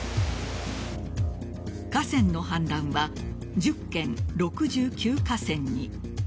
河川の氾濫は１０県６９河川に。